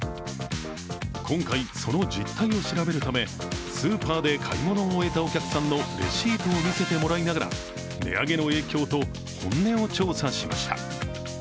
今回、その実態を調べるため、スーパーで買い物を終えたお客さんのレシートを見せてもらいながら値上げの影響と本音を調査しました。